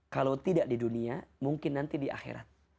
kalau tidak di dunia mungkin nanti di akhirat